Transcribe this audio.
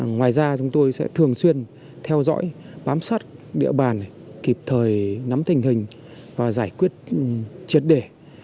ngoài ra chúng tôi sẽ thường xuyên theo dõi bám sát địa bàn kịp thời nắm tình hình và giải quyết triệt đề